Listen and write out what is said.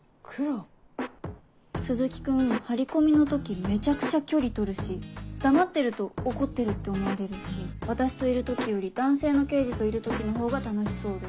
鈴木君張り込みの時めちゃくちゃ距離取るし黙ってると怒ってるって思われるし私といる時より男性の刑事といる時のほうが楽しそうで。